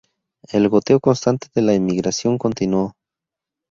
El goteo constante de la emigración continuó.